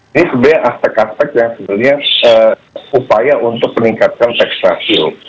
ini sebenarnya aspek aspek yang sebenarnya upaya untuk meningkatkan tax ratio